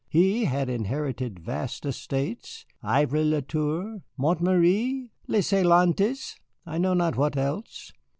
He had inherited vast estates, Ivry le Tour, Montméry, Les Saillantes, I know not what else.